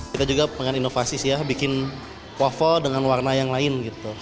kita juga pengen inovasi sih ya bikin kuaffel dengan warna yang lain gitu